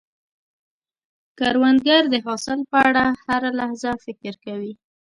کروندګر د حاصل په اړه هره لحظه فکر کوي